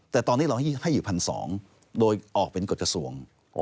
แต่ตอนนี้เราให้อยู่๑๒๐๐โดยออกเป็นกฎกระทรวง